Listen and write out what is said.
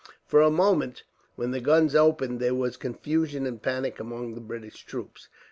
For a moment, when the guns opened, there was confusion and panic among the British troops.